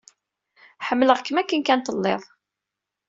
Ḥemmleɣ-kem akken kan telliḍ.